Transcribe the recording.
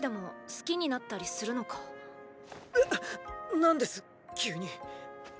何です急に。